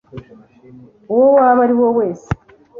uwo waba uri we wese,